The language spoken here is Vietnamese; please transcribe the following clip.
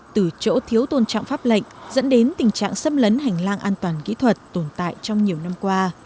từ chỗ thiếu tôn trọng pháp lệnh dẫn đến tình trạng xâm lấn hành lang an toàn kỹ thuật tồn tại trong nhiều năm qua